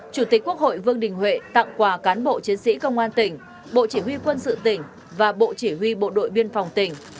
chủ tịch quốc hội vương đình huệ tặng quà cán bộ chiến sĩ công an tỉnh bộ chỉ huy quân sự tỉnh và bộ chỉ huy bộ đội biên phòng tỉnh